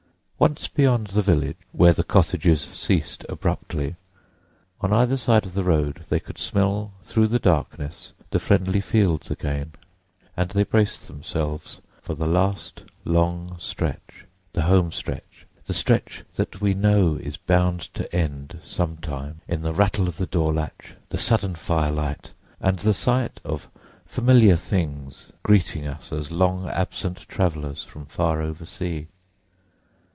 Once beyond the village, where the cottages ceased abruptly, on either side of the road they could smell through the darkness the friendly fields again; and they braced themselves for the last long stretch, the home stretch, the stretch that we know is bound to end, some time, in the rattle of the door latch, the sudden firelight, and the sight of familiar things greeting us as long absent travellers from far over sea.